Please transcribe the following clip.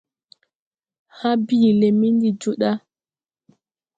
Hãã bìin lɛ me ndi joo ɗa.